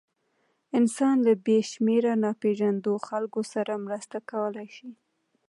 انسان له بېشمېره ناپېژاندو خلکو سره مرسته کولی شي.